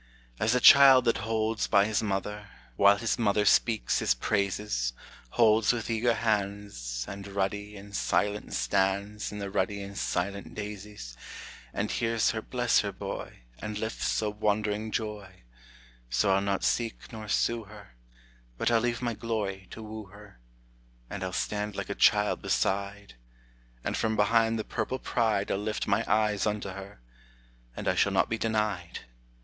As a child that holds by his mother, While his mother speaks his praises, Holds with eager hands, And ruddy and silent stands In the ruddy and silent daisies, And hears her bless her boy, And lifts a wondering joy, So I'll not seek nor sue her, But I'll leave my glory to woo her, And I'll stand like a child beside, And from behind the purple pride I'll lift my eyes unto her, And I shall not be denied.